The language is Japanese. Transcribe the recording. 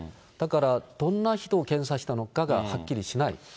だからどんな人を検査したのかはっきりしない。